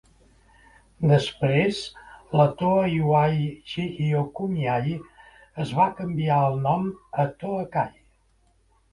Després, la Toa Yuai Jigyo Kumiai es va canviar el nom a Toa-kai.